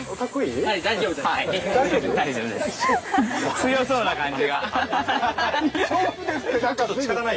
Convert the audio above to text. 強そうな感じが。